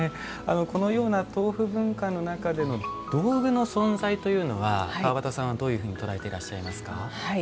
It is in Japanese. このような豆腐文化の中での道具の存在というのは川端さんはどういうふうに捉えていらっしゃいますか？